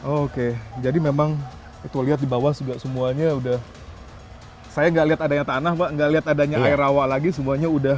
oke jadi memang itu lihat di bawah juga semuanya udah saya gak lihat adanya tanah pak nggak lihat adanya air rawa lagi semuanya udah